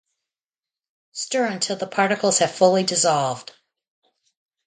stir until the particles have fully dissolved.